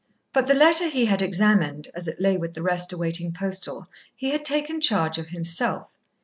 But the letter he had examined, as it lay with the rest awaiting postal, he had taken charge of himself.